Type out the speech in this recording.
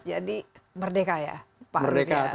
jadi merdeka ya pak rudiantara